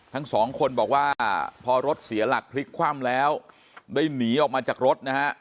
ทั้งสองคนบอกว่าพอรถเสียหลักพลิกคว่ำแล้วได้หนีออกมาจากรถนะฮะ